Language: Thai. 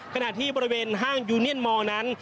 ขณะที่บริเวณห้างยูเนียนมอร์นั้น